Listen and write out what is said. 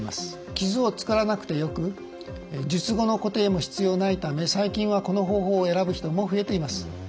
傷を作らなくてよく術後の固定も必要ないため最近はこの方法を選ぶ人も増えています。